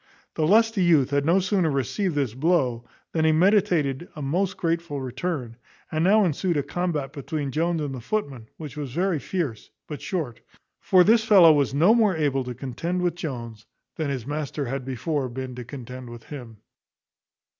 The lusty youth had no sooner received this blow, than he meditated a most grateful return; and now ensued a combat between Jones and the footman, which was very fierce, but short; for this fellow was no more able to contend with Jones than his master had before been to contend with him.